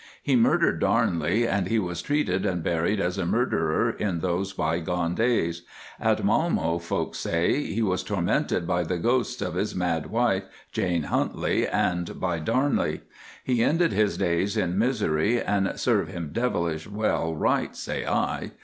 He murdered Darnley, and he was treated and buried as a murderer in those bygone days. At Malmo folks say he was tormented by the ghosts of his mad wife, Jane Huntly, and by Darnley. He ended his days in misery, and serve him devilish well right, say I.